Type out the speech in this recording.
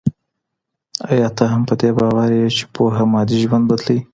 ايا ته هم په دې باور يې چي پوهه مادي ژوند بدلوي؟